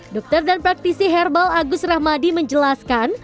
dokter dan praktisi herbal agus rahmadi menjelaskan